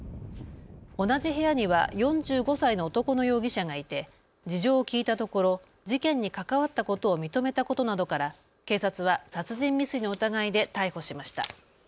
同じ部屋には４５歳の男の容疑者がいて事情を聴いたところ事件に関わったことを認めたことなどから警察は殺人未遂の疑いで逮捕しました。